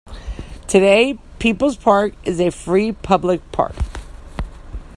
Today, People's Park is a free public park.